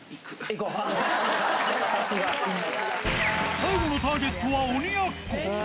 最後のターゲットは鬼奴。